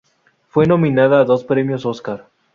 Fue nominada a dos Premios Oscar.